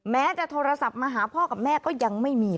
แม้จะโทรศัพท์มาหาพ่อกับแม่ก็ยังไม่มี